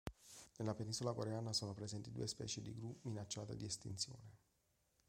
Nella penisola coreana sono presenti due specie di gru minacciate di estinzione.